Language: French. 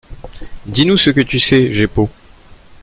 —dis-nous ce que tu sais, Jeppo.